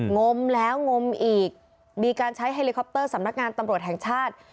งมแล้วงมอีกมีการใช้เฮลิคอปเตอร์สำนักงานตำรวจแห่งชาติ